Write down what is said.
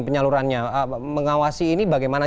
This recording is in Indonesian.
penyalurannya mengawasi ini bagaimana